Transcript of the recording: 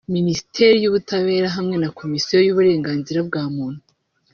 Minisiteri y’Ubutabera hamwe na Komisiyo y’Uburenganzira bwa Muntu